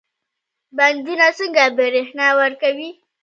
بندونه څنګه برښنا ورکوي؟